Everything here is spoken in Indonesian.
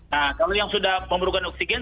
nah kalau yang sudah memerlukan oksigen